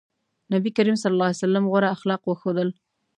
نبي کريم ص غوره اخلاق وښودل.